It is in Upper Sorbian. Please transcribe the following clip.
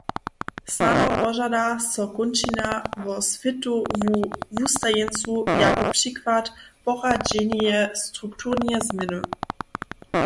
Snano požada so kónčina wo swětowu wustajeńcu – jako přikład poradźeneje strukturneje změny.